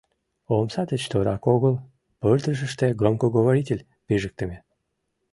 Омса деч торак огыл, пырдыжыште, громкоговоритель пижыктыме.